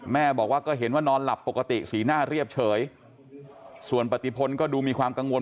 แม่บอกว่าก็เห็นว่านอนหลับปกติสีหน้าเรียบเฉยส่วนปฏิพลก็ดูมีความกังวล